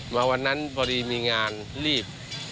มาวันนั้นพอดีมีงานรีบ